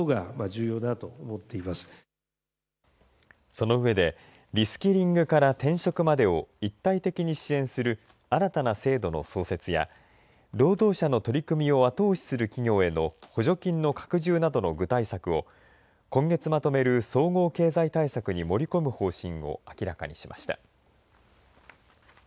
その上でリスキリングから転職までを一体的に支援する新たな制度の創設や労働者の取り組みを後押しする企業への補助金の拡充などの具体策を今月まとめる総合経済対策に盛り込む方針を明らかにしました。